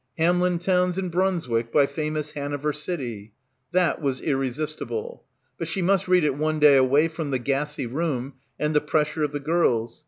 "Hamelin Town's in Brunswick, by famous Hanover city." That was irresistible. But she must read it one day away from the gassy room and the pressure of the girls.